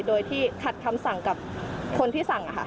โดยที่ขัดคำสั่งกับคนที่สั่ง